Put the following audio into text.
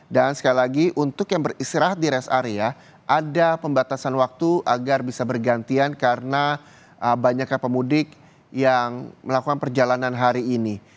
dan sekali lagi untuk yang beristirahat di res area ada pembatasan waktu agar bisa bergantian karena banyaknya pemudik yang melakukan perjalanan hari ini